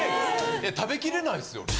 ・食べきれないですよ。